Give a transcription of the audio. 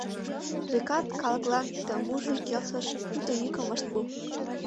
Векат, калыкланат ты мужыр келшыш, уто йӱкым ышт пу.